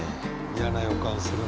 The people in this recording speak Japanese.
嫌な予感するな。